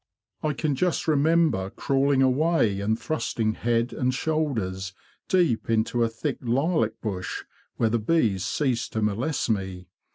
I can just remember crawling away, and thrusting head and shoulders deep into a thick lilac bush, where the bees ceased to molest me.